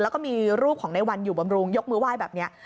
แล้วก็มีรูปของในวันอยู่บำรุงยกมือไหว้แบบนี้